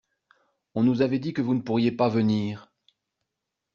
On nous avait dit que vous ne pourriez pas venir.